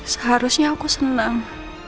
seharusnya aku senang